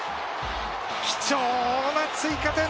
貴重な追加点！